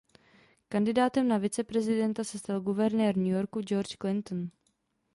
Kandidátem na viceprezidenta se stal guvernér New Yorku George Clinton.